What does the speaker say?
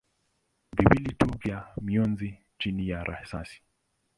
viwili tu vya mionzi chini ya risasi.